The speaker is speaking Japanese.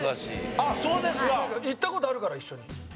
行った事あるから一緒に。